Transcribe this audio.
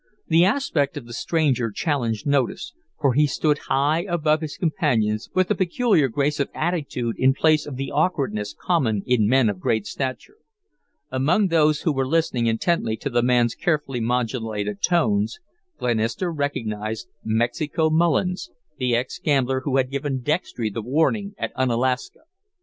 The aspect of the stranger challenged notice, for he stood high above his companions with a peculiar grace of attitude in place of the awkwardness common in men of great stature. Among those who were listening intently to the man's carefully modulated tones, Glenister recognized Mexico Mullins, the ex gambler who had given Dextry the warning at Unalaska.